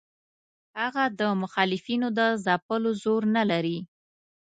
هغه د مخالفینو د ځپلو زور نه لري.